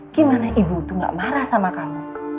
gimana ibu itu gak marah sama kamu